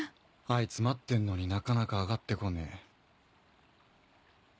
あいつ待ってんのになかなか上がって来ねえ。